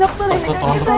dokter ini gak bisa